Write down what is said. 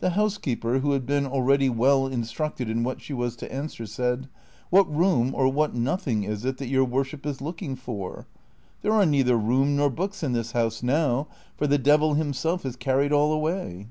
The housekeeper, who had been already well instructed in what she was to answer, said, " What room or what nothing is it that your worship is looking for ? There are neither room nor books in this house now, for the devil himself has carried all away."